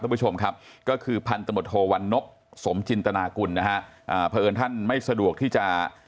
เพราะถือว่าผู้ที่ถูกแจ้งข้ออาหาร